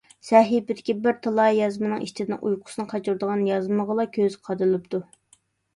سەھىپىدىكى بىر تالاي يازمىنىڭ ئىچىدىن ئۇيقۇسىنى قاچۇرىدىغان يازمىغىلا كۆزى قادىلىپتۇ.